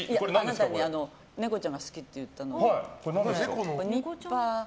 あなた猫ちゃんが好きって言ったから。